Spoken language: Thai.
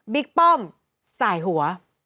บิ๊กป้อมสายหัว